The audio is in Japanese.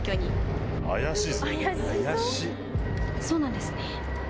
そうなんですね。